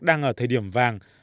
đang ở thời điểm vàng